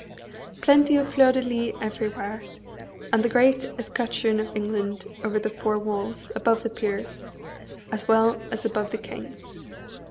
Plenty of fleurs de lis everywhere, and the great escutcheon of England over the four walls, above the peers, as well as above the king.